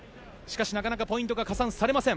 なかなかポイントが加算されません。